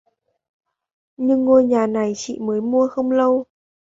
nhưng ngôi nhà này chị mới mua không lâu